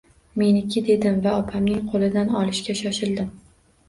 Meniki dedim va opaning qo`lidan olishga shoshildim